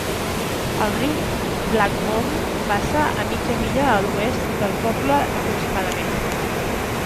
El riu Blackbourne passa a mitja milla a l'oest del poble aproximadament.